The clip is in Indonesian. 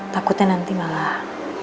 takutnya nanti malah